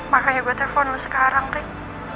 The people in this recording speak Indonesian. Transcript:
makanya gue telfon lo sekarang rik